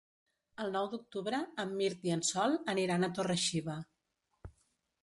El nou d'octubre en Mirt i en Sol aniran a Torre-xiva.